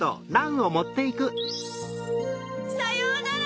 さようなら